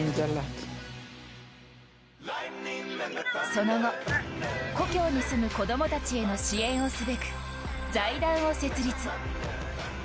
その後、故郷に住む子供たちへの支援をすべく財団を設立。